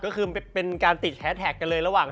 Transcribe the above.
ก็คือเป็นการติดแฮสแท็กกันเลยระหว่าง